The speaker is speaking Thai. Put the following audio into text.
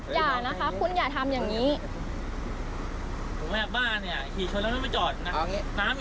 หนึ่งแม่บ้านยเงี่ยกีชวนแล้วจะไม่จอดนะ